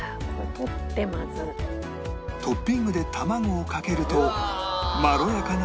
トッピングで卵をかけるとまろやかな味わいに